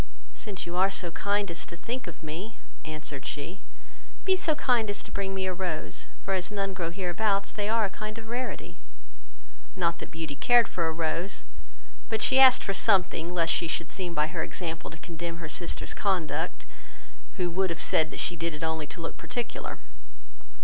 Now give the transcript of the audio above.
"Since you are so kind as to think of me, (answered she,) be so kind as to bring me a rose, for as none grow hereabouts, they are a kind of rarity." Not that Beauty cared for a rose, but she asked for something, lest she should seem by her example to condemn her sisters' conduct, who would have said she did it only to look particular.